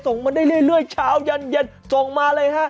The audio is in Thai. ส่งมาได้เรื่อยเช้ายันเย็นส่งมาเลยฮะ